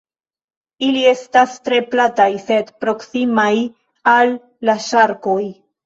Ili estas tre plataj sed proksimaj al la ŝarkoj.